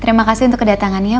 terima kasih untuk kedatangannya